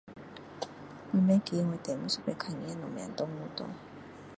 我不记我最后一次看见什么动物了